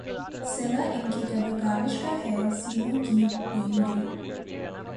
صلہ ان کی کد و کاوش کا ہے سینوں کی بے نوری